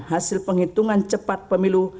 hasil penghitungan cepat pemilu